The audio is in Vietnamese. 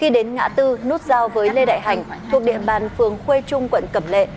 đã tư nút giao với lê đại hành thuộc địa bàn phường khuê trung quận cẩm lệ